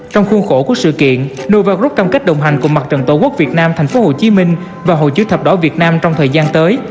trong khuôn khổ của sự kiện novagroup cam kết đồng hành cùng mặt trận tổ quốc việt nam thành phố hồ chí minh và hồ chí thập đỏ việt nam trong thời gian tới